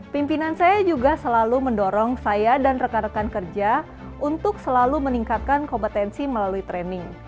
pimpinan saya juga selalu mendorong saya dan rekan rekan kerja untuk selalu meningkatkan kompetensi melalui training